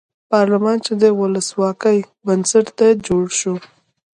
پارلمان چې د ولسواکۍ بنسټ دی جوړ شو.